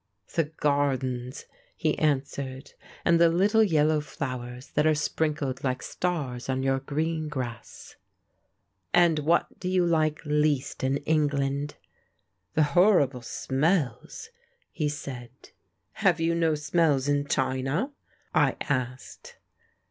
"The gardens," he answered, "and the little yellow flowers that are sprinkled like stars on your green grass." "And what do you like least in England?" "The horrible smells," he said. "Have you no smells in China?" I asked.